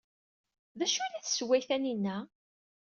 D acu ay la tessewway Taninna?